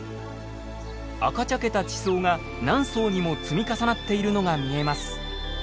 赤茶けた地層が何層にも積み重なっているのが見えます。